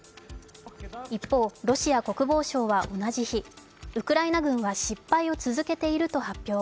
一方、ロシア国防省は同じ日、ウクライナ軍は失敗を続けていると発表。